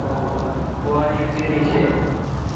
ڪوُوآڙي ڪيري ڇي ۔